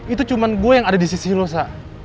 itu cuma gue yang ada di sisi lo sa